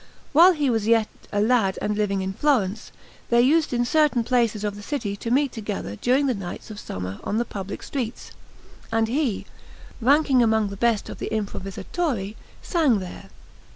While he was yet a lad and living in Florence, they used in certain places of the city to meet together during the nights of summer on the public streets; and he, ranking among the best of the improvisatori, sang there.